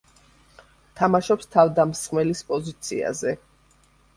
თამაშობს თავდამსხმელის პოზიციაზე.